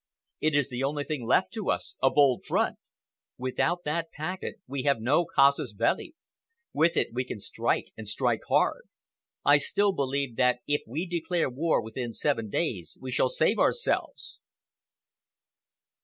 It is the only thing left to us—a bold front. Without that packet we have no casus belli. With it, we can strike, and strike hard. I still believe that if we declare war within seven days, we shall save ourselves."